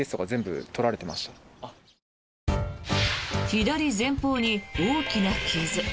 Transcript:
左前方に大きな傷。